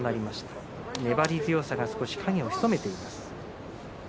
粘り強さが影を潜めています。